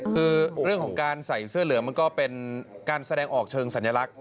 คือเรื่องของการใส่เสื้อเหลืองมันก็เป็นการแสดงออกเชิงสัญลักษณ